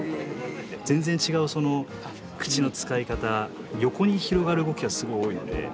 全然違う口の使い方横に広がる動きがすごい多いので。